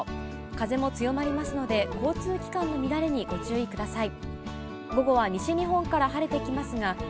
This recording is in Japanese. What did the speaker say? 風も強まりますので、交通機関の乱れにご注意ください。